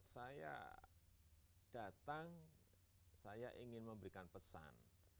saya datang saya ingin memberikan pesan